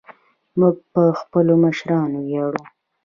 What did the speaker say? موږ په خپلو مشرانو ویاړو